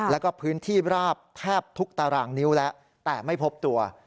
แล้วก็พื้นที่ราบแทบทุกตารางนิ้วแล้วแต่ไม่พบตัว